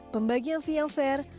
pembagian via fare